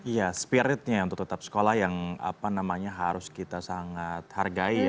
ya spiritnya untuk tetap sekolah yang harus kita sangat hargai